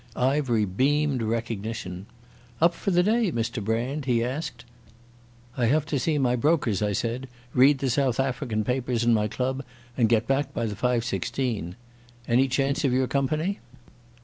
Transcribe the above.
Ivery beamed recognition. "Up for the day, Mr Brand?" he asked. "I have to see my brokers," I said, "read the South African papers in my club, and get back by the 5.16. Any chance of your company?"